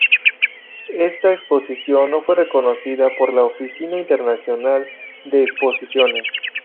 Esta exposición no fue reconocida por la Oficina Internacional de Exposiciones.